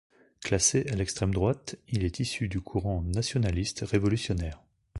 Classé à l'extrême droite, il est issu du courant nationaliste-révolutionnaire.